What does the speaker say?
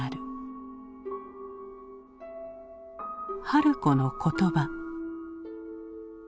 春子の言葉。